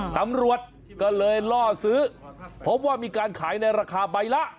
ตำรวจก็เลยล่อซื้อพบว่ามีการขายในราคาใบละ